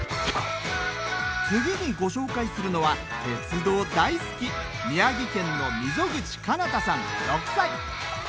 次にご紹介するのは鉄道大好き宮城県の溝口悠太さん６歳。